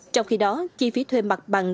trong khi đó chi phí thuê mặt bằng